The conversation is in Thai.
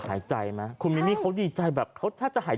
เข้าบ้านดีกว่าค่ะใส่แล้วเข้าบ้าน